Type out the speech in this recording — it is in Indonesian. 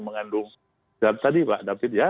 mengandung zat tadi pak david ya